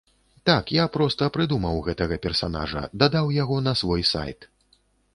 Так, я проста прыдумаў гэтага персанажа, дадаў яго на свой сайт.